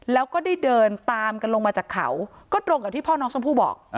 แล้วก็ได้เดินตามกันลงมาจากเขาก็ตรงกับที่พ่อน้องชมพู่บอก